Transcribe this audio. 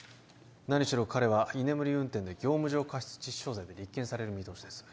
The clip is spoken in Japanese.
何しろ彼は居眠り運転で業務上過失致死傷罪で立件される見通しです